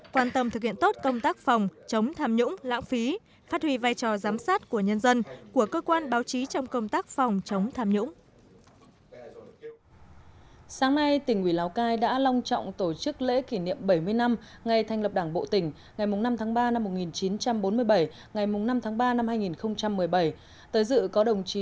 quan tâm thực hiện tốt công tác phòng chống tham nhũng lãng phí